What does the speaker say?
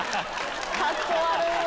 カッコ悪いわ。